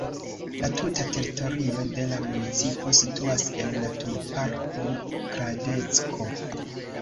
La tuta teritorio de la municipo situas en naturparko Kladecko.